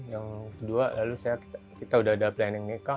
yang kedua lalu kita sudah ada rencana menikah